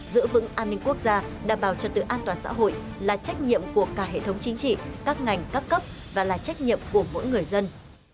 giữ vững an ninh quốc gia đảm bảo trật tự an toàn xã hội là trách nhiệm của cả hệ thống chính trị các ngành các cấp và là trách nhiệm của mỗi người dân